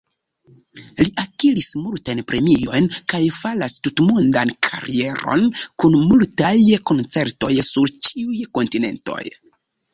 Li akiris multajn premiojn kaj faras tutmondan karieron kun multaj koncertoj sur ĉiuj kontinentoj.